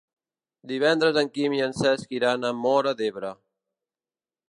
Divendres en Quim i en Cesc iran a Móra d'Ebre.